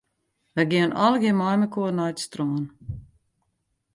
Wy geane allegear meimekoar nei it strân.